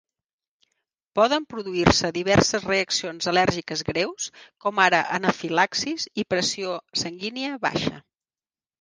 Poden produir-se diverses reaccions al·lèrgiques greus, com ara anafilaxis i pressió sanguínia baixa.